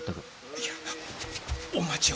いやお待ちを。